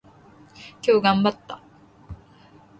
今日頑張った。